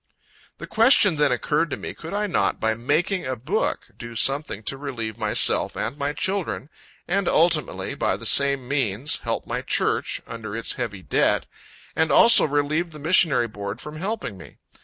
The question then occurred to me, Could I not, by making a book, do something to relieve myself and my children, and ultimately, by the same means, help my church, under its heavy debt, and also relieve the Missionary Board from helping me.